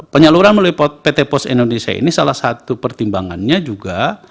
penyaluran melalui pt pos indonesia ini salah satu pertimbangannya juga